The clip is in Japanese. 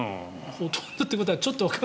ほとんどということはちょっとは。